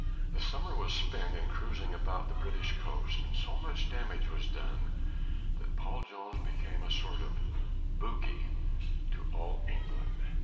The summer was spent in cruising about the British coast and so much damage was done that Paul Jones became a sort of bogey to all England.